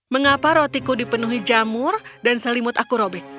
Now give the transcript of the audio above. mengapa rotiku dipenuhi jamur dan selimut aku robik